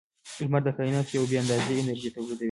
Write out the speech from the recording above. • لمر د کائنات یوه بې اندازې انرژي تولیدوي.